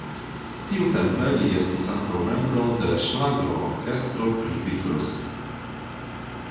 Tiutempe li estis ankaŭ membro de ŝlagrorkestro pri Beatles.